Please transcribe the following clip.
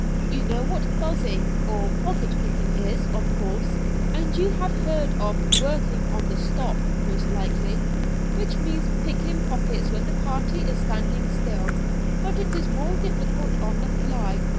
You know what 'buzzing,' or pocket picking is, of course; and you have heard of working on the 'stop,' most likely. Which means picking pockets when the party is standing still; but it is more difficult on the 'fly.'